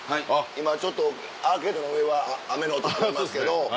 今ちょっとアーケードの上は雨の音聞こえますけど。